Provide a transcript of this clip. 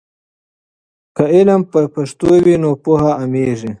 که علم په پښتو وي نو پوهه عامېږي.